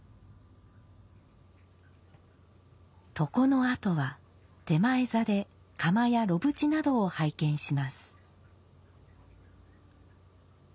床のあとは点前座で釜や炉縁などを拝見します。